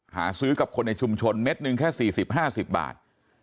หาซื้อกับคนในชุมชนเม็ดหนึ่งแค่๔๐๕๐บาท